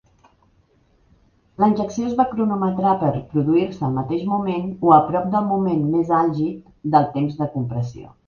La injecció es va cronometrar per produir-se al mateix moment o a prop del moment més àlgid del temps de compressió.